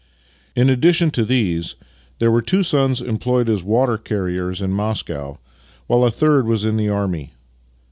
In addi tion to these there were two sons employed as water carriers in Moscow, while a third was in the army.